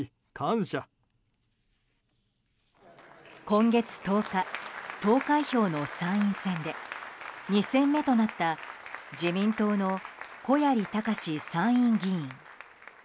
今月１０日投開票の参院選で２選目となった自民党の小鑓隆史参院議員。